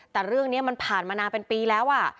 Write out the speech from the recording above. แต่เรื่องนี้มันผ่านมานานเป็นปีแล้ว